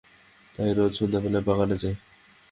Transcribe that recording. তাই রোজ সন্ধ্যাবেলায় বাগানে যাই।